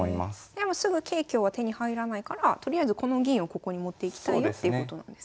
でもすぐ桂香は手に入らないからとりあえずこの銀をここに持っていきたいよっていうことなんですね。